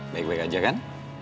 baik baik aja kan